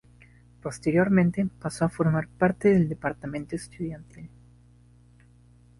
Posteriormente, pasó a formar parte del Departamento Estudiantil.